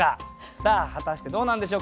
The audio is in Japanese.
さあ果たしてどうなんでしょうか？